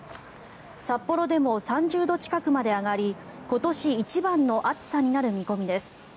札幌でも３０度近くまで上がり今年一番の暑さになる見込みです。